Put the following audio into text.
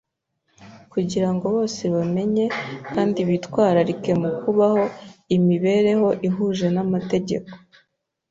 kugira ngo bose bamenye, kandi bitwararike mu kubaho imibereho ihuje n’amategeko